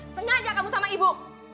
sengaja kamu sama ibu